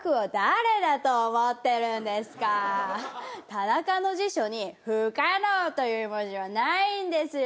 「田中の辞書に“不可能”という文字はないんですよ！」。